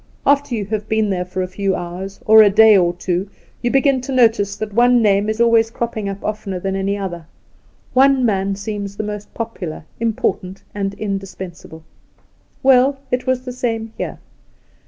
After you have been there for a few hours, or a day or two, you begin to notice that one name is always cropping up offcener than any other ; one man seems the most popular, important, and indispensable. Well, it was the same here.